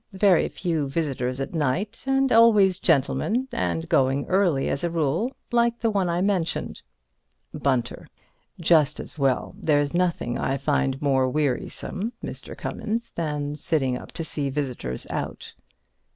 Very few visitors at night, and always gentlemen. And going early as a rule, like the one I mentioned. Bunter: Just as well. There's nothing I find more wearisome, Mr. Cummings, than sitting up to see visitors out.